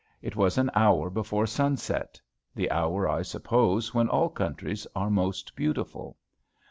It was an hour before sunset, the hour, I suppose, when all countries are most beautiful.